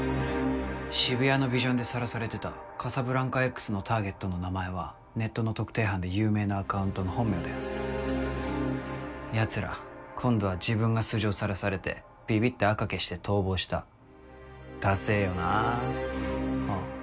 渋谷のビジョンでさらされてたカサブランカＸのターゲットの名前はネットの特定班で有名なアカウントの本名だよヤツら今度は自分が素性をさらされてビビってアカ消して逃亡したダセェよなあっ